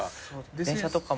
電車とかも。